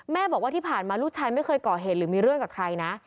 บอกว่าที่ผ่านมาลูกชายไม่เคยก่อเหตุหรือมีเรื่องกับใครนะ